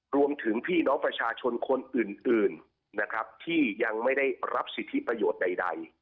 พี่น้องประชาชนคนอื่นนะครับที่ยังไม่ได้รับสิทธิประโยชน์ใด